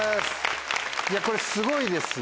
これすごいですよ